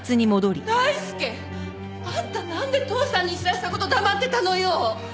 大輔！あんたなんで父さんに知らせた事黙ってたのよ！